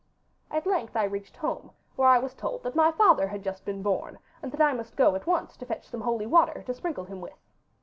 At length I reached home, where I was told that my father had just been born, and that I must go at once to fetch some holy water to sprinkle him with.